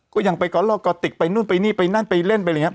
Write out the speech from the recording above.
ก็ยังไปกอลลอกกอติกไปนู่นไปนี่ไปนั่นไปเล่นไปอะไรอย่างนี้